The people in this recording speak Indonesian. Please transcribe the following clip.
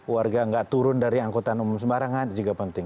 warga nggak turun dari angkutan umum sembarangan juga penting